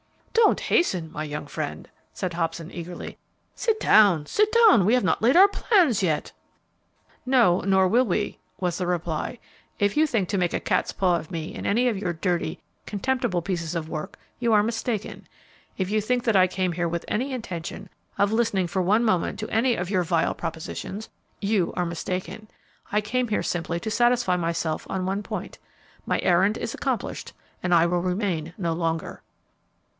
"Don't hasten, my young friend," said Hobson, eagerly. "Sit down, sit down; we have not laid our plans yet." "No, nor will we," was the reply. "If you think to make a cat's paw of me in any of your dirty, contemptible pieces of work, you are mistaken. If you think that I came here with any intention of listening for one moment to any of your vile propositions, you are mistaken. I came here simply to satisfy myself on one point. My errand is accomplished, and I will remain no longer."